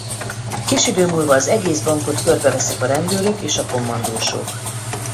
Kis idő múlva az egész bankot körbeveszik a rendőrök és a kommandósok.